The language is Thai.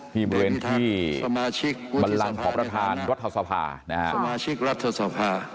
ที่บริเวณที่บำลังของประธานรัฐธรสภานะฮะ